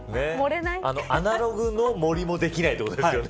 アナログの盛りもできないということですね。